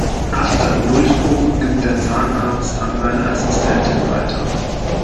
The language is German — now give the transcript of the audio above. Achter im Durchbruch, gibt der Zahnarzt an seine Assistentin weiter.